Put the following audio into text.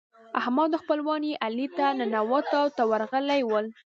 احمد او خپلوان يې علي ته ننواتو ته ورغلي ول.